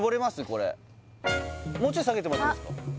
これもうちょい下げてもらっていいですか？